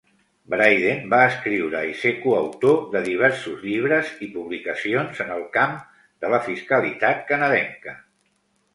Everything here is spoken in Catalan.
Bryden va escriure i ser coautor de diversos llibres i publicacions en el camp de la fiscalitat canadenca.